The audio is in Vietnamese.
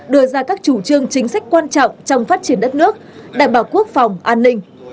đưa ra các chủ trương chính sách quan trọng trong phát triển đất nước đảm bảo quốc phòng an ninh